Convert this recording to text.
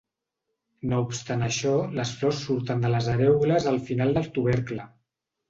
No obstant això, les flors surten de les arèoles al final del tubercle.